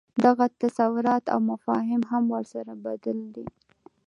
دغه تصورات او مفاهیم هم ورسره بدل دي.